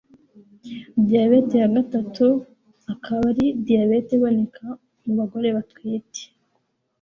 Diabete ya gatatu akaba ari diyabete iboneka mu bagore batwite